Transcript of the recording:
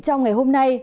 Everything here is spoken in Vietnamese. trong ngày hôm nay